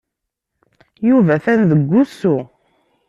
Yuba atan deg wusu.